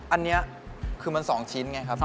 อันนี้คือมัน๒ชิ้นไงครับ